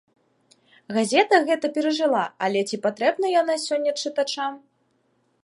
Газета гэта перажыла, але ці патрэбна яна сёння чытачам?